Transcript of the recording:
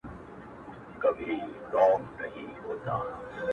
د ګیلاس لوري د شراب او د مینا لوري~